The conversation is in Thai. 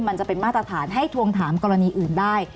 มันจะเป็นมาตรฐานให้ทวงถามกรณีอื่นได้